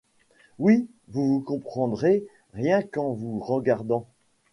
Oui, vous vous comprendrez, rien qu'en vous regardant.